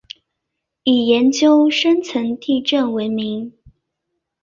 以研究深层地震闻名。